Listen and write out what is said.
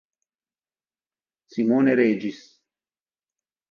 Simone Régis